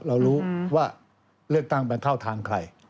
เรารู้ว่าเลือกตั้งมันเข้าทางใคร